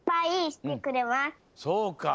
そうか。